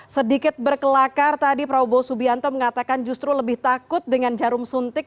sedikit berkelakar tadi prabowo subianto mengatakan justru lebih takut dengan jarum suntik